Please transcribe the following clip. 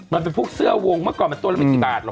มันเป็นพวกเสื้อวงเมื่อก่อนหรือตัวลำไปกี่บาท